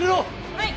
・はい！